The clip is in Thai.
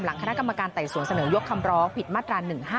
คณะกรรมการไต่สวนเสนอยกคำร้องผิดมาตรา๑๕